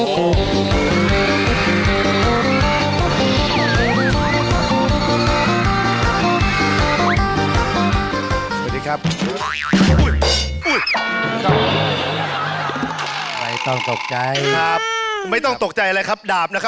สวัสดีครับ